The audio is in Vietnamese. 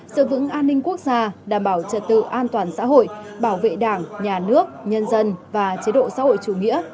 sự vững an ninh quốc gia đảm bảo trật tự an toàn xã hội bảo vệ đảng nhà nước nhân dân và chế độ xã hội chủ nghĩa